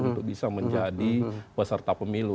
untuk bisa menjadi peserta pemilu